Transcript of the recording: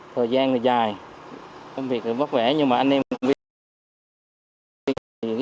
thời gian dài công việc rất bất vẻ nhưng mà anh em làm việc